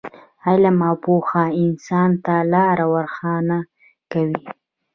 علم او پوهه انسان ته لاره روښانه کوي.